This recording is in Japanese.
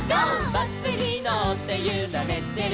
「バスにのってゆられてる」